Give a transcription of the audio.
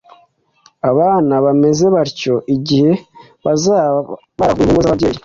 Abana bameze batyo, igihe bazaba baravuye mu ngo z'ababyeyi,